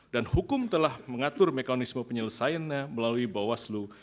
dan hukum telah mengatur mekanisme penyelesaiannya melalui bawaslu